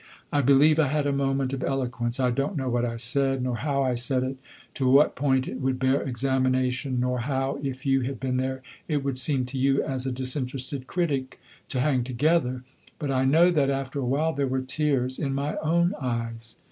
I believe I had a moment of eloquence. I don't know what I said, nor how I said it, to what point it would bear examination, nor how, if you had been there, it would seem to you, as a disinterested critic, to hang together; but I know that after a while there were tears in my own eyes.